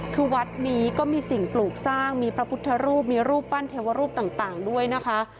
คือวัดนี้ก็มีสิ่งปลูกสร้างมีพระพุทธรูปมีรูปปั้นเทวรูปต่างด้วยนะคะ